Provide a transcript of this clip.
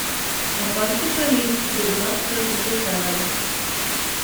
Upon his release he did not return to his family.